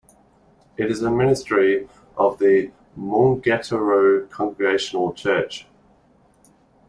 It is a ministry of the Maungaturoto Congregational Church.